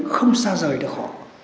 không xa rời được họ